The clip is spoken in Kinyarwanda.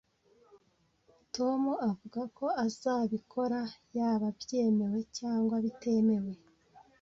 Tom avuga ko azabikora yaba byemewe cyangwa bitemewe